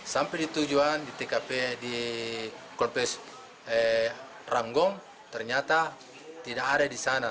sampai ditujuan di tkp di kulpes ramgung ternyata tidak ada di sana